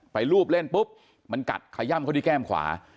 รูปเล่นปุ๊บมันกัดขย่ำเขาที่แก้มขวา